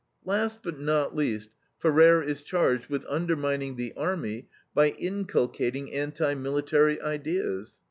Last, but not least, Ferrer is charged with undermining the army by inculcating anti military ideas.